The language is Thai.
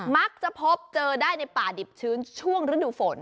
มักจะพบเจอได้ในป่าดิบชื้นช่วงฤดูฝน